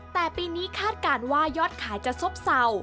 แต่ปีนี้คาดการณ์ว่ายอดขายจะซบเศร้า